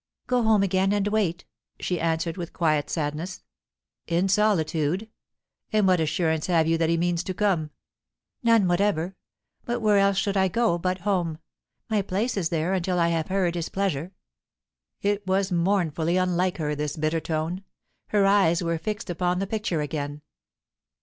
"Go home again and wait," she answered, with quiet sadness. "In solitude? And what assurance have you that he means to come?" "None whatever. But where else should I go, but home? My place is there, until I have heard his pleasure." It was mournfully unlike her, this bitter tone. Her eyes were fixed upon the picture again.